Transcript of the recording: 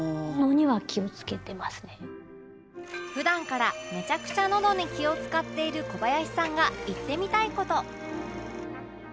普段からめちゃくちゃ喉に気を使っている小林さんが言ってみたい事